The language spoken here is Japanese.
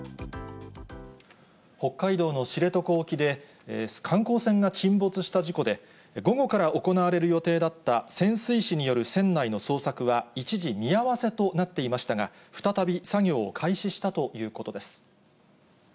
北海道の知床沖で、観光船が沈没した事故で、午後から行われる予定だった潜水士による船内の捜索は一時見合わせとなっていましたが、再び作業を開始したということです。